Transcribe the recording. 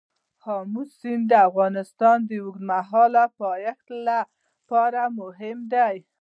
آمو سیند د افغانستان د اوږدمهاله پایښت لپاره مهم دی.